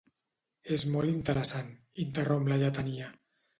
És molt interessant —interromp la lletania—.